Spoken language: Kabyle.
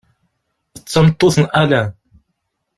D tameṭṭut n Alain.